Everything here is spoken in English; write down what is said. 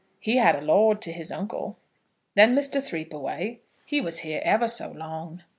He had a lord to his uncle. Then Muster Threepaway, he was here ever so long."